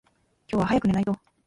今日は早く寝ないと。